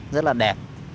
rất là đẹp